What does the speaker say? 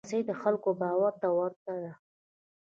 رسۍ د خلکو باور ته ورته ده.